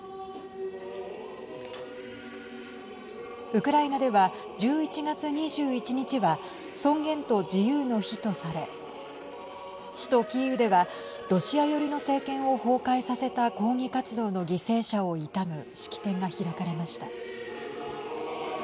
ウクライナでは１１月２１日は尊厳と自由の日とされ首都キーウではロシア寄りの政権を崩壊させた抗議活動の犠牲者を悼む式典が開かれました。